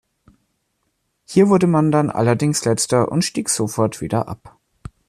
Hier wurde man dann allerdings Letzter und stieg sofort wieder ab.